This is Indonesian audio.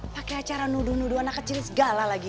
pakai acara nuduh nuduh anak kecil segala lagi